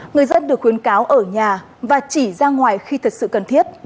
người dân được khuyến cáo ở nhà và chỉ ra ngoài khi thật sự cần thiết